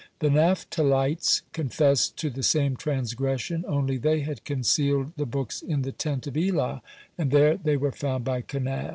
The Naphtalites confessed to the same transgression, only they had concealed the books in the tent of Elah, and there they were found by Kenaz.